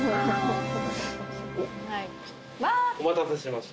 お待たせしました。